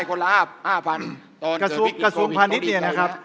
กระทรวงพาณิชน์นะครับ